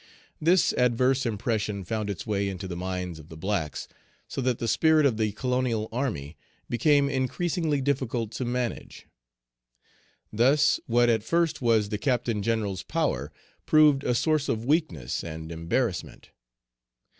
This adverse impression found its way into the minds of the blacks, so that the spirit of the colonial army became increasingly difficult to manage. Thus what at first was the Captain General's power proved a source of weakness and embarrassment.